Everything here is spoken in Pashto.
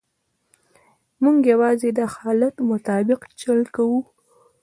موږ یوازې د حالت مطابق چل کوو.